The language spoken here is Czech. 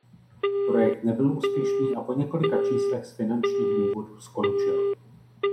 Projekt nebyl úspěšný a po několika číslech z finančních důvodů skončil.